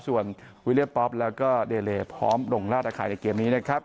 ส่วนวิลเลียป๊อปแล้วก็เดเลพร้อมลงราชอาคารในเกมนี้นะครับ